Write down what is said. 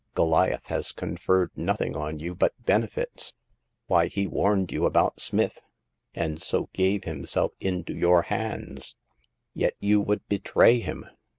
Goliath has conferred nothing on you but benefits ; why, he warned you about Smith, and so gave himself into your hands ; yet you would betray him